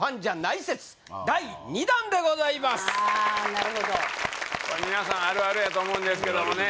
なるほど皆さんあるあるやと思うんですけどもね